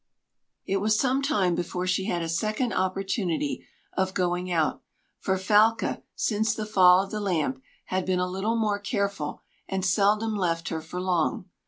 "] It was some time before she had a second opportunity of going out, for Falca, since the fall of the lamp, had been a little more careful, and seldom left her for long.